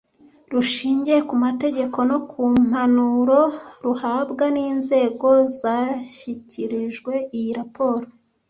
rushingiye ku mategeko no ku mpanuro ruhabwa n’inzego zashyikirijwe iyi raporo